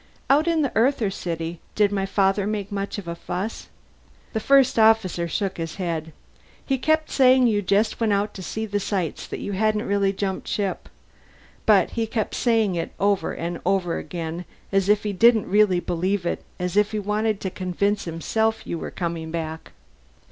"Out in the Earther city. Did my father make much of a fuss?" The First Officer shook his head. "He kept saying you just went out to see the sights, that you hadn't really jumped ship. But he kept saying it over and over again, as if he didn't really believe it, as if he wanted to convince himself you were coming back."